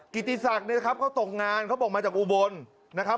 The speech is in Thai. กิติศักดิ์เนี่ยนะครับเขาตกงานเขาบอกมาจากอุบลนะครับ